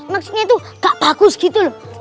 maksudnya itu gak bagus gitu loh